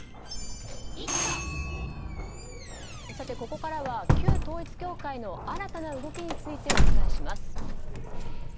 ここからは旧統一教会の新たな動きについてお伝えします。